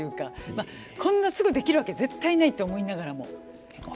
まあこんなすぐできるわけ絶対ないと思いながらも。